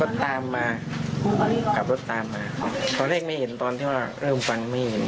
ตามมาขับรถตามมาตอนแรกไม่เห็นตอนที่ว่าเริ่มฟังไม่เห็น